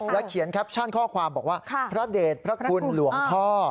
เขียนแคปชั่นข้อความบอกว่าพระเดชพระคุณหลวงพ่อ